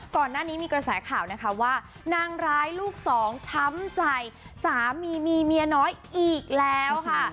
ก่อนหน้านี้มีกระแสข่าวนะคะว่านางร้ายลูกสองช้ำใจสามีมีเมียน้อยอีกแล้วค่ะ